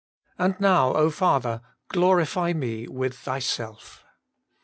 And now, O Father, glorify Me with Thyself.'